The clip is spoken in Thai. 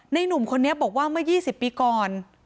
หนุ่มคนนี้บอกว่าเมื่อ๒๐ปีก่อน